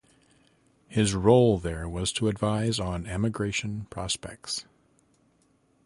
His role there was to advise on emigration prospects.